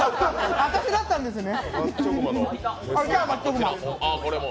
私だったんですね。